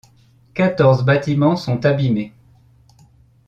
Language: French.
Quatorze bâtiments sont abîmés.